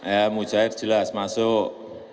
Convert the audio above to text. ya mujair jelas masuk